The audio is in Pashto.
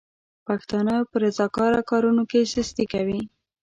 پښتانه په رضاکاره کارونو کې سستي کوي.